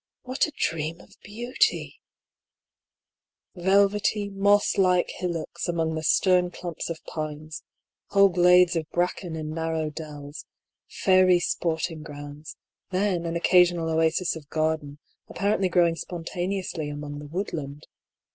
What a dream of beauty ! Velvety, mosslike hillocks, among the stem clumps of pines ; whole glades of bracken in narrow dells, fairy EXTRACT FROM DIARY OP HUGH PAULL. 27 sporting grounds ; then, an occasional oasis of garden, apparently growing spontaneously among the wood land.